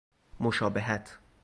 مشابهت